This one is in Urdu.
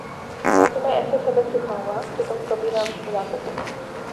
میں تمہیں ایسا سبق سکھاؤں گا کہ تم کبھی نہ بھلا سکو گے